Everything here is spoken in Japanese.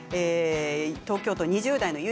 東京都２０代の方。